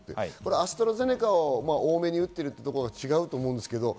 アストラゼネカを多めに打っているところは違うと思うんですけれども。